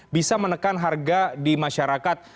bisa menekan harga di masyarakat